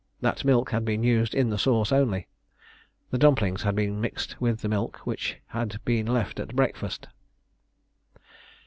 That milk had been used in the sauce only. The dumplings had been mixed with the milk which had been left at breakfast.